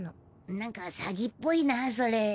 なんか詐欺っぽいなぁそれ。